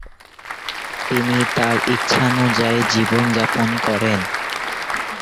তিনি তার ইচ্ছানুযায়ী জীবন যাপন করেন।